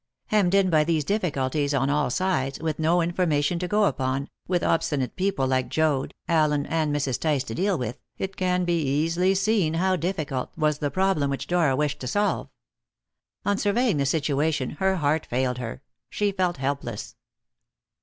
Hemmed in by these difficulties on all sides, with no information to go upon, with obstinate people like Joad, Allen, and Mrs. Tice to deal with, it can be easily seen how difficult was the problem which Dora wished to solve. On surveying the situation her heart failed her; she felt helpless.